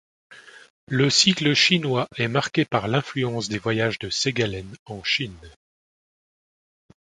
Le cycle chinois est marqué par l'influence des voyages de Segalen en Chine.